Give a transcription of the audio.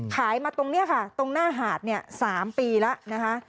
ขายมาตรงนี้ค่ะตรงหน้าหาด๓ปีแล้วนะคะ